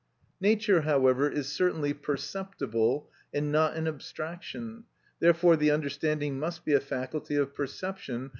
Nature, however, is certainly perceptible and not an abstraction; therefore, the understanding must be a faculty of perception.